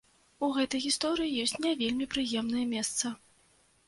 У гэтай гісторыі ёсць не вельмі прыемнае месца.